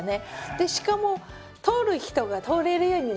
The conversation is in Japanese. でしかも通る人が通れるようになりますよね。